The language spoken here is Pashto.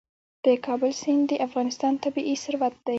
د کابل سیند د افغانستان طبعي ثروت دی.